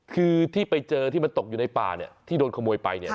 คือที่ไปเจอที่มันตกอยู่ในป่าเนี่ยที่โดนขโมยไปเนี่ย